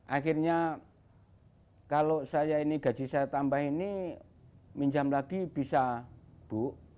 akhirnya kalau gaji saya tambah ini minjam lagi bisa buk